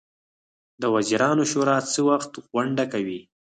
د وزیرانو شورا څه وخت غونډه کوي؟